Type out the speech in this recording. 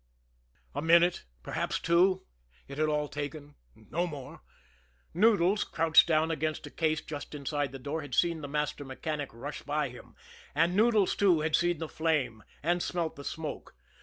A minute, perhaps two, it had all taken no more. Noodles, crouched down against a case just inside the door, had seen the master mechanic rush by him; and Noodles, too, had seen the flame and smelt the smoke.